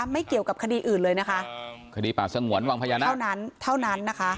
ไม่เกี่ยวกับคดีอื่นเลยนะคะคดีป่าสงวนวังพญานาคเท่านั้นเท่านั้นนะคะ